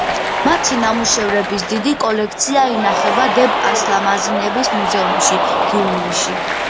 მათი ნამუშევრების დიდი კოლექცია ინახება დებ ასლამაზიანების მუზეუმში, გიუმრიში.